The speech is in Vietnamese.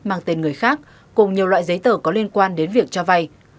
mang tên người khác cùng nhiều loại giấy tờ có liên quan đến việc cho vay